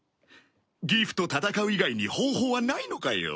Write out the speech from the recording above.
ギフと戦う以外に方法はないのかよ？